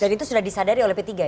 dan itu sudah disadari oleh p tiga ya